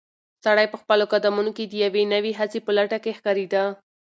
سړی په خپلو قدمونو کې د یوې نوې هڅې په لټه کې ښکارېده.